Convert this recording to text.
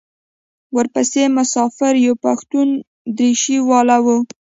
ورپسې مسافر یو پښتون درېشي والا و.